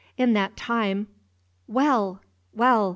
In that time " "Well! well!"